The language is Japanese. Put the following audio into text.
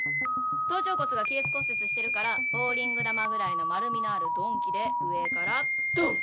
頭頂骨が亀裂骨折してるからボウリング球ぐらいの丸みのある鈍器で上からドーン！